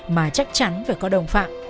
mà chắc chắn phải có đồng phạm